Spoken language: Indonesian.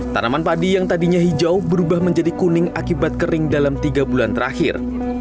tanaman padi yang tadinya hijau berubah menjadi kuning akibat kering dalam tiga bulan terakhir